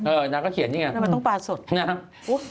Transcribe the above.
เออนางเขาเขียนอย่างนี้ไง